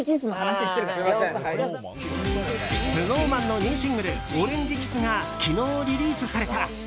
ＳｎｏｗＭａｎのニューシングル「オレンジｋｉｓｓ」が昨日リリースされた。